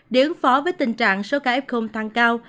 để ứng phó với tình trạng số ca f tăng cao